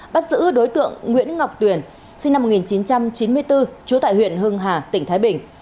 bắt giữ đối tượng nguyễn ngọc tuyền sinh năm một nghìn chín trăm chín mươi bốn trú tại huyện hưng hà tỉnh thái bình